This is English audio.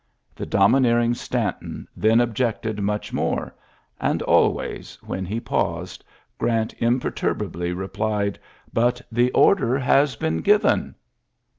The domineering Stanton then objected much more ; and always, when he paused, Orant imperturbably re plied, *'But the order has been given.'.'